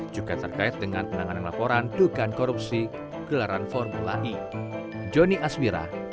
juga terkait dengan penanganan laporan dugaan korupsi gelaran formula e